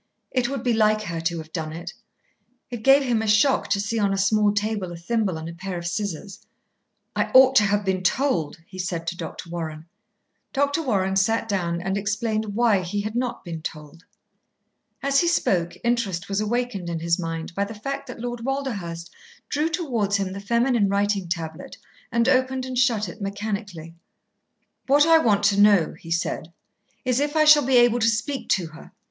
It would be like her to have done it. It gave him a shock to see on a small table a thimble and a pair of scissors. "I ought to have been told," he said to Dr. Warren. Dr. Warren sat down and explained why he had not been told. As he spoke, interest was awakened in his mind by the fact that Lord Walderhurst drew towards him the feminine writing tablet and opened and shut it mechanically. "What I want to know," he said, "is, if I shall be able to speak to her.